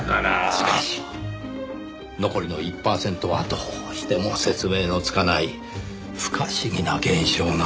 しかし残りの１パーセントはどうしても説明のつかない不可思議な現象なのですよ。